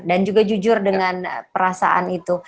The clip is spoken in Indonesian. dan juga jujur dengan perasaan itu